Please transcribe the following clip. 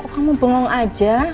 kok kamu bengong aja